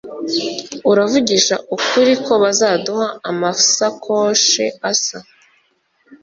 Uravugisha ukuri ko bazaduha amafsakoshi asa